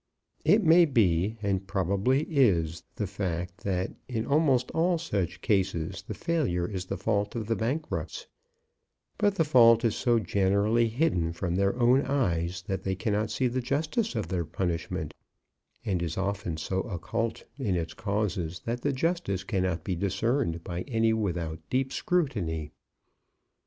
It may be, and probably is, the fact, that in almost all such cases the failure is the fault of the bankrupts; but the fault is so generally hidden from their own eyes, that they cannot see the justice of their punishment; and is often so occult in its causes that the justice cannot be discerned by any without deep scrutiny.